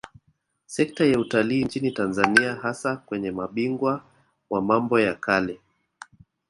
Sekta ya Utalii nchini Tanzania hasa kwenye mabingwa wa mambo ya kale